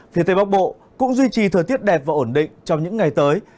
phía tây bắc bộ cũng duy trì thời tiết đẹp và ổn định trong những ngày tới